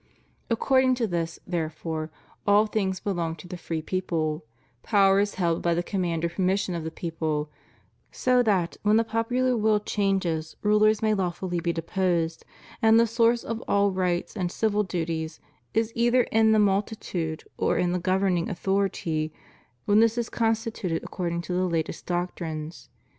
According to this, therefore, all things belong to the free people; power is held by the command or permission of the people, so that, when the popular will changes, rulers may lawfully be deposed; and the source of all rights and civil duties is either in the multitude or in the governing authority when this is constituted according to the latest doctrines.